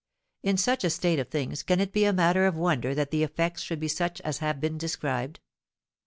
In such a state of things, can it be a matter of wonder that the effects should be such as have been described?